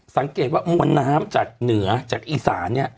สังเกตว่ามวลน้ำจากเหนือจากอีสานเนี่ย